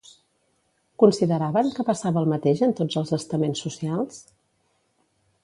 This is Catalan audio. Consideraven que passava el mateix en tots els estaments socials?